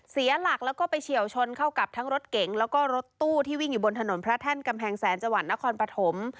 เสียหลักแล้วก็ไปเฉียวชนเข้ากับทั้งรถเก๋งแล้วก็รถตู้ที่วิ่งอยู่บนถนนพระแท่นกำแพงแสนจังหวัดนครปฐม